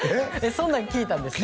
そんなん聞いたんですか？